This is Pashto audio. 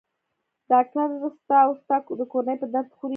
ډاکټر ستا او ستا د کورنۍ په درد خوري.